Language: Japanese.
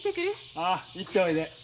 ああ行っておいで。